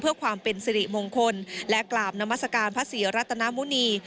เพื่อความเป็นสิริมงคลและกราบนามัศกาลพระศรีรัตนมุณี